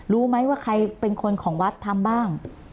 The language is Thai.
รู้ไหมว่าใครเป็นคนของวัดทำบ้าง